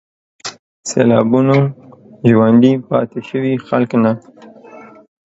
سېلابونو ژوندي پاتې شوي خلک نه